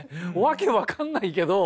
訳分かんないけど